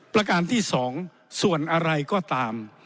ประการที่๒ส่วนอะไรก็ตาม